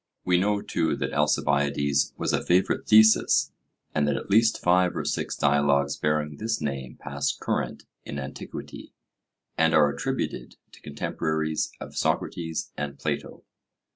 We know, too, that Alcibiades was a favourite thesis, and that at least five or six dialogues bearing this name passed current in antiquity, and are attributed to contemporaries of Socrates and Plato.